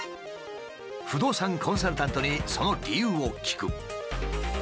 不動産コンサルタントにその理由を聞く。